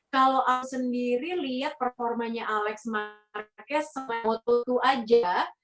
kalau aku sendiri lihat performanya alex marquez sama moto aja